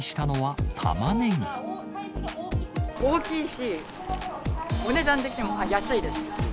大きいし、お値段的にも安いです。